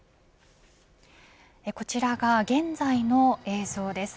こちらが現在の映像です。